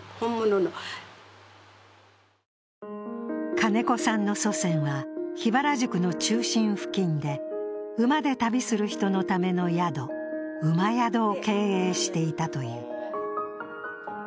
金子さんの祖先は、桧原宿の中心付近で馬で旅する人のための宿馬宿を経営していたという。